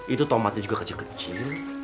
itu tomatnya juga kecil kecil